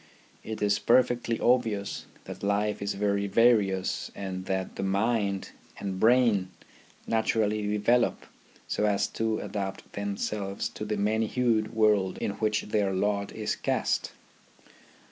It is perfectly obvious that life is very various and that the mind and brain naturally develop so as to adapt themselves to the many hued world in which their lot is cast.